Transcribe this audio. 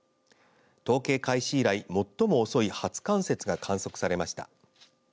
統計開始以来最も遅い初冠雪が観測されました。